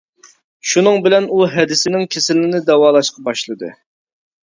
شۇنىڭ بىلەن ئۇ ھەدىسىنىڭ كېسىلىنى داۋالاشقا باشلىدى.